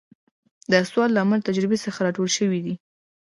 دا اصول له عملي تجربو څخه را ټول شوي دي.